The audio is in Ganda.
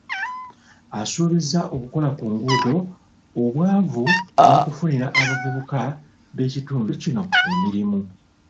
Asuubizza okukola ku nguudo, obwavu n'okufunira abavubuka b'ekitundu kino emirimu.